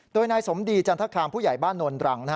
โดยนายสมดีจันทคามผู้ใหญ่บ้านโนนรัง